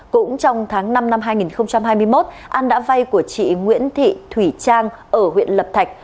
cũng trong tháng năm năm hai nghìn hai mươi một an đã vay của chị nguyễn thị thủy trang ở huyện lập thạch